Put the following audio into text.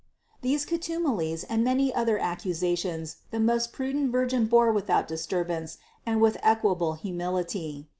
702. These contumelies and many other accusations the most prudent Virgin bore without disturbance and with equable humility.